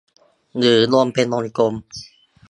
หรือลงเป็นวงกลม